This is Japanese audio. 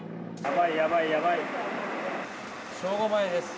正午前です。